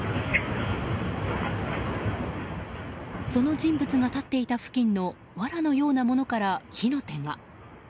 その人物が立っていた付近のわらのようなものから火の手が。